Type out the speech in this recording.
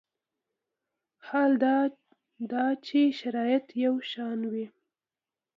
حال دا چې شرایط یو شان وي.